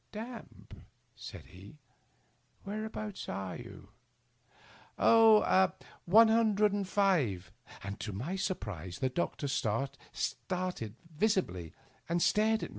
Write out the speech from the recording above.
" Damp !" said he. " Whereabouts are you ?"" One hundred and five —" To my surprise the doctor started visibly, and stared at me.